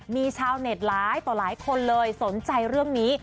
มีชาวเน็ตหลายต่อหลายคนเลยสนใจเรื่องนี้